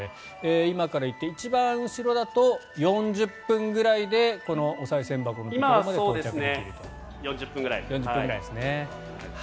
今から行って、一番後ろだと４０分ぐらいでこのおさい銭箱のところまで到着と。